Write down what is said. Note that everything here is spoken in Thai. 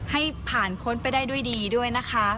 ให้ผ่านพ้นไปได้ด้วยดีด้วยนะคะ